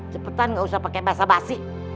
cepetan gak usah pake basa basi